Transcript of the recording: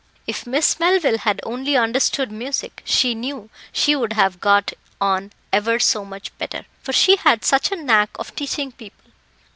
If Miss Melville had only understood music, she knew she would have got on ever so much better, for she had such a knack of teaching people.